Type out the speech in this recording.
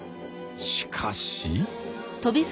しかし。